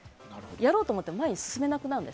やろうと思っても前に進めなくなる。